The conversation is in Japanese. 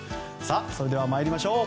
それでは参りましょう。